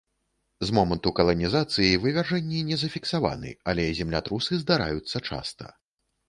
З моманту каланізацыі вывяржэнні не зафіксаваны, але землятрусы здараюцца часта.